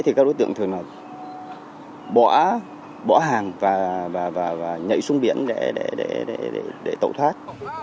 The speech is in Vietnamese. thì các đối tượng thường bỏ hàng và nhảy xuống biển để tẩu thoát